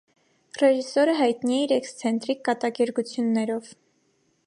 Ռեժիսորը հայտնի է իր էքսցենտրիկ կատակերգություններով։